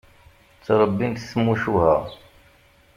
Ttrebbint tmucuha.